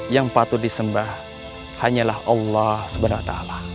yang patut disembah hanyalah allah swt